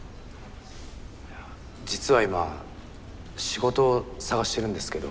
実は今仕事を探してるんですけど。